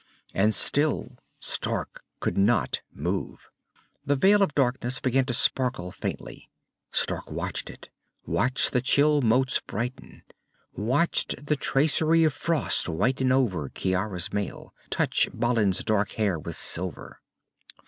And still Stark could not move. The veil of darkness began to sparkle faintly. Stark watched it, watched the chill motes brighten, watched the tracery of frost whiten over Ciara's mail, touch Balin's dark hair with silver.